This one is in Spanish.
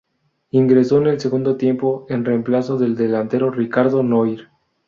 Ingresó en el segundo tiempo en reemplazo del delantero Ricardo Noir.